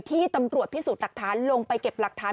ที่ตำรวจพิสูจน์หลักฐานลงไปเก็บหลักฐาน